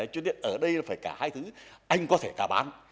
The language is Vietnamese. chứ điện ở đây là phải cả hai thứ anh có thể cả bán